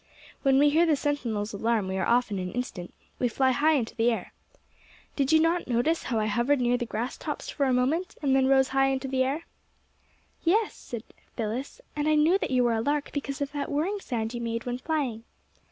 "When we hear the sentinel's alarm we are off in an instant. We fly high into the air. Did you not notice how I hovered near the grass tops for a moment and then rose high into the air?" "Yes," answered Phyllis, "and I knew that you were a lark because of that whirring sound you made when flying."